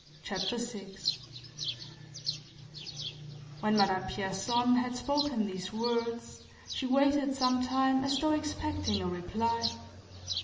CHAPTER VI WHEN Madame Pierson had spoken these words, she waited some time as though expecting a reply.